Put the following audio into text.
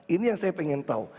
ini yang saya ingin tahu